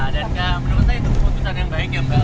dan menurut saya itu keputusan yang baik ya mbak